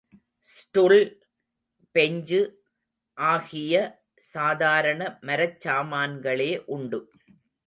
Stool, bench ஆகிய சாதாரண மரச்சாமான்களே உண்டு.